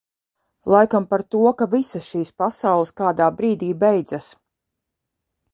Laikam par to, ka visas šīs pasaules kādā brīdī beidzas.